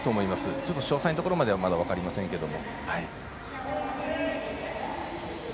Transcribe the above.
ちょっと詳細なところまではまだ分かりませんけども。